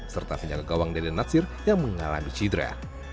serta penyelenggawang dede natsir yang mengalami cedera